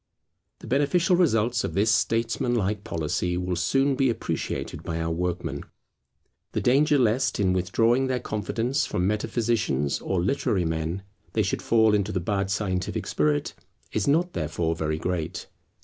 The beneficial results of this statesman like policy will soon be appreciated by our workmen. The danger lest, in withdrawing their confidence from metaphysicians or literary men, they should fall into the bad scientific spirit, is not therefore very great.